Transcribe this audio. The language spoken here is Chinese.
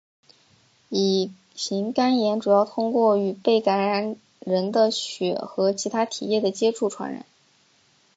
乙型肝炎主要通过与被感染的人的血和其它体液的接触传染。